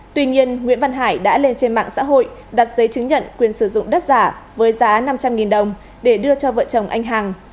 tuy nhiên nguyễn văn hải đã lên trên mạng xã hội đặt giấy chứng nhận quyền sử dụng đất giả với giá năm trăm linh đồng để đưa cho vợ chồng anh hằng